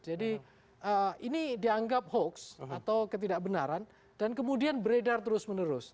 jadi ini dianggap hoaks atau ketidakbenaran dan kemudian beredar terus menerus